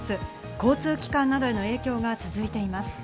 交通機関などへの影響が続いています。